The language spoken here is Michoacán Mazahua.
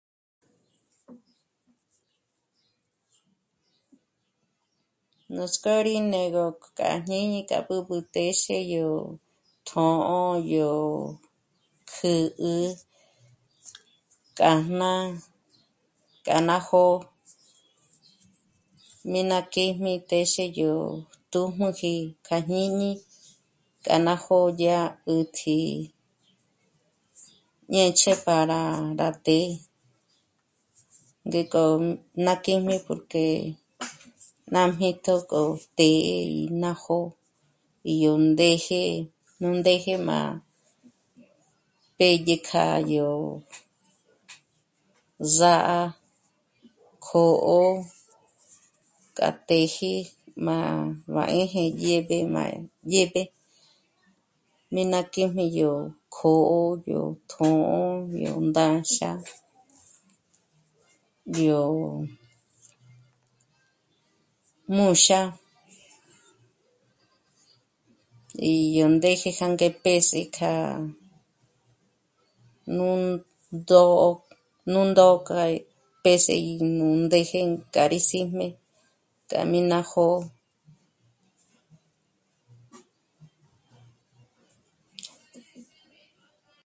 Nuts'k'ó rí né'egö k'a jñíñi k'a b'ǘb'ü téxe yó tjṑ'ō, yó kjǚ'ü, k'a jnà'a, k'a ná jó'o mí ná kíjmi téxe yó tùjm'uji k'a jñíñi, k'a ná jo'o yá 'ä̀tji ñêch'e para rá të́'ë, ngék'o ná kijmi porque ná mìjt'u k'o të́'ë í ná jó'o yó ndéje, nú ndéje má pédye k'a yó zá'a, kjǒ'o, k'a t'éje má b'à'a 'ē̌jē dyéb'e, má dyéb'e mí ná kíjmi yó kjǒ'o, yó tjṑ'ō, yó ndánxa, yó múxa, í yó ndéje jânge pěs'e kja nú ndǒ'o, nú ndó k'a í pěs'e í nú ndéje k'a rí síjme k'a mí ná jó'o